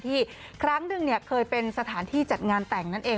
ครั้งหนึ่งเคยเป็นสถานที่จัดงานแต่งนั่นเอง